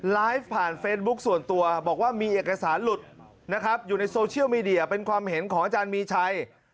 ไลฟ์ผ่านเฟซบุ๊คส่วนตัวบอกว่ามีเอกสารหลุดนะครับอยู่ในโซเชียลมีเดียเป็นความเห็นของอาจารย์มีชัย